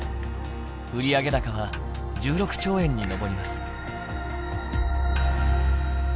売上高は１６兆円に上ります。